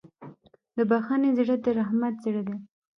د بښنې زړه د رحمت زړه دی.